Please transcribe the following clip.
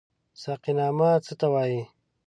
ساقينامه څه ته وايي؟